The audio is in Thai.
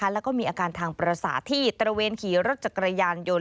แล้วก็มีอาการทางประสาทที่ตระเวนขี่รถจักรยานยนต์